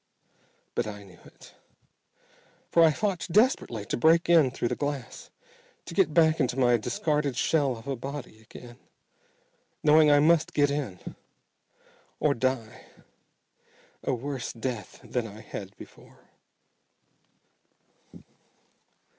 But I knew it. For I fought desperately to break in through the glass to get back into my discarded shell of a body again, knowing I must get in or die a worse death than I had before.